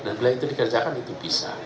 dan bila itu dikerjakan itu bisa